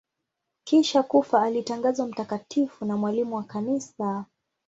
Kisha kufa alitangazwa mtakatifu na mwalimu wa Kanisa.